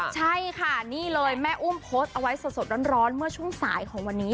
ใช่ค่ะนี่เลยแม่อุ้มโพสต์เอาไว้สดร้อนเมื่อช่วงสายของวันนี้